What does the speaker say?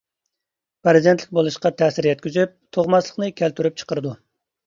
پەرزەنتلىك بولۇشقا تەسىر يەتكۈزۈپ، تۇغماسلىقنى كەلتۈرۈپ چىقىرىدۇ.